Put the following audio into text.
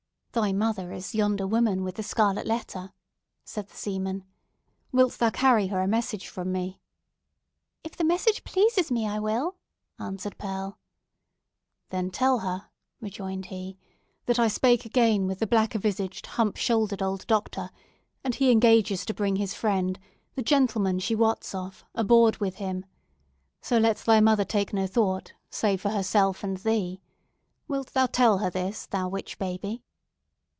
"Thy mother is yonder woman with the scarlet letter," said the seaman, "Wilt thou carry her a message from me?" "If the message pleases me, I will," answered Pearl. "Then tell her," rejoined he, "that I spake again with the black a visaged, hump shouldered old doctor, and he engages to bring his friend, the gentleman she wots of, aboard with him. So let thy mother take no thought, save for herself and thee. Wilt thou tell her this, thou witch baby?"